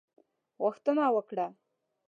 غوښتنه وکړه.